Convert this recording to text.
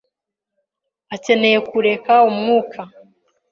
akeneye kureka umwuka.